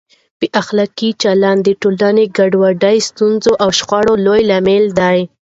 بې اخلاقه چلند د ټولنې ګډوډۍ، ستونزو او شخړو لوی لامل دی.